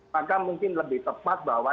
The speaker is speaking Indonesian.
maka mungkin lebih tepat bahwa